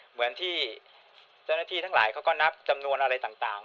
เหมือนที่เจ้าหน้าที่ทั้งหลายเขาก็นับจำนวนอะไรต่าง